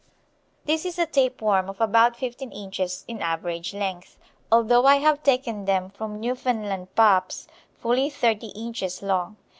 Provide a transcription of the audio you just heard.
This is a tape worm of about fifteen inches in average length, although I have taken them from Newfoundland pups fully thirty inches long.